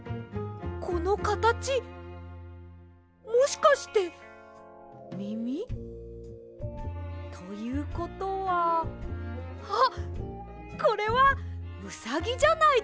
このかたちもしかしてみみ？ということはあっこれはウサギじゃないですか？